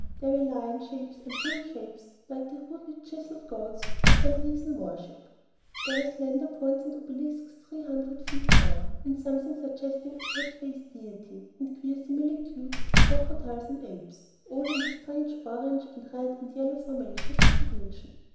There were lion shapes and bull shapes like the rudely chiselled gods of some heathen worship; there were slender, points and obelisks three hundred feet high; and something suggesting a cat faced deity, and queer similitudes of crocodiles and apes, all in the strange orange and red and pale yellow formations of the region.